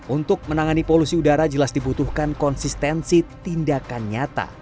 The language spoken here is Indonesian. untuk menangani polusi udara jelas dibutuhkan konsistensi tindakan nyata